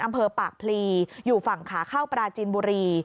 อำเภอปากพลีอยู่ฝั่งขาเข้าปราจีนบุรี